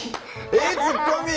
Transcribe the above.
ええツッコミ！